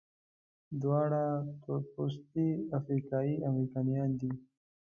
دواړه تورپوستي افریقایي امریکایان دي.